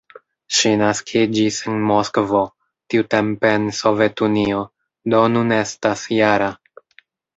Ŝi naskiĝis en Moskvo, tiutempe en Sovetunio, do nun estas -jara.